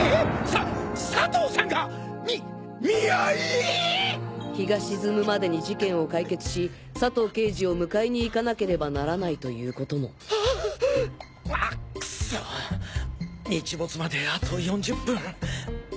⁉さ佐藤さんがみ見合い⁉日が沈むまでに事件を解決し佐藤刑事を迎えに行かなければならないということもクッソ日没まであと４０分。